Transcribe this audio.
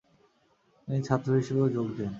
তিনি ছাত্র হিসেবেও যোগ দেন।